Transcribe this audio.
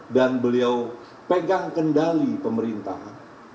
dan beliau pegang kendali pemerintahan